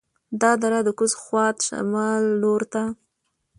دا دره د کوز خوات د شمال لور ته